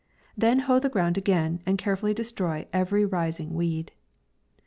Then hoe the ground again, and carefully destroy every ris ing weed.